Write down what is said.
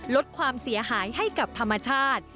ลดความเสียหายให้กับธรรมชาติ